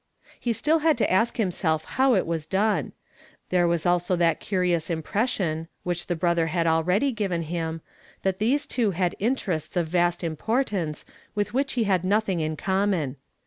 He still had to ask himself how it was done. There was also that curious impression, which the brother had already given him, that these two had intei ests of vast importance with which he liad nothing in common.